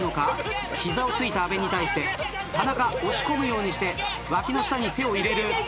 膝を突いた阿部に対して田中押し込むようにして脇の下に手を入れる。